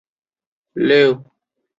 官至山东巡抚。